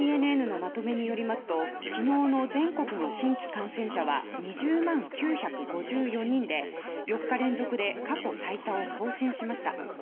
ＡＮＮのまとめによりますと昨日の全国の新規感染者は２０万９５４人で、４日連続で過去最多を更新しました。